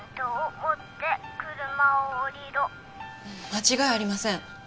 間違いありません。